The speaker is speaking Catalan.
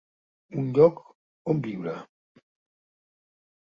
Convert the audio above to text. Un lloc on viure!